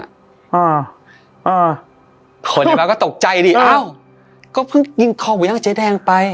อ่าอ่าคนในบ้านก็ตกใจดิอ้าวก็เพิ่งยิงคอเว้าเจ๊แดงไป